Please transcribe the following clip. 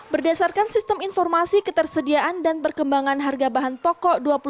berdasarkan sistem informasi ketersediaan dan perkembangan harga bahan pokok